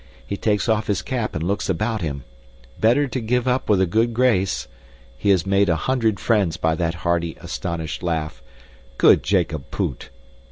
He takes off his cap and looks about him. Better to give up with a good grace. He has made a hundred friends by that hearty, astonished laugh. Good Jacob Poot!